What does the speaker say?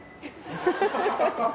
ハハハハ！